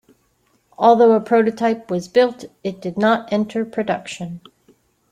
Although a prototype was built, it did not enter production.